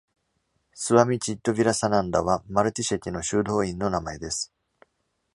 スワミ・チッドヴィラサナンダは、マルティシェティの修道院の名前です。